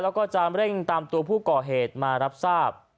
แล้วก็จะเร่งตามตัวผู้ก่อเหตุมารับทราบ